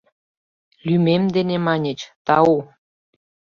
— Лӱмем дене маньыч, тау.